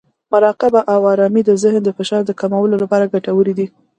مراقبه او ارامۍ د ذهن د فشار کمولو لپاره ګټورې دي.